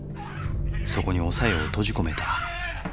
そこにお小夜を閉じ込めた。